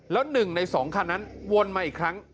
แล้ว๑ใน๒คันนั้นวนมาอีกครั้ง